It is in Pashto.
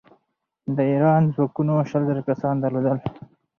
د ایران ځواکونو شل زره کسان درلودل.